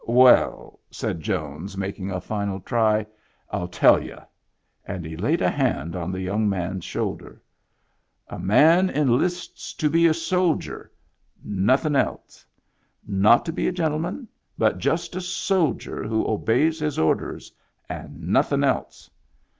'"Well," said Jones, making a final try, " I'll tell y'u." And he laid a hand on the young man's shoulder. "A man enlists to be a soldier — nothin' else. Not to be a gentleman, but just a soldier who obeys his orders — and nothin' else.